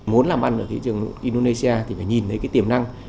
muốn làm ăn ở thị trường indonesia thì phải nhìn thấy cái tiềm năng